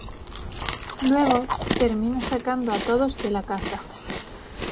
Luego, termina sacando a todos de la casa.